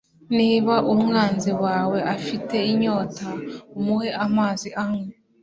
niba umwanzi wawe afite inyota, umuhe amazi anywe